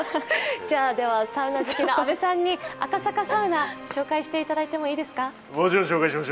サウナ好きの阿部さんにサウナを紹介していただいてもいいですか。